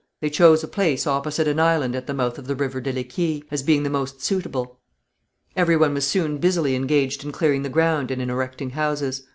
They chose a place opposite an island at the mouth of the river de l'Equille, as being the most suitable. Every one was soon busily engaged in clearing the ground and in erecting houses.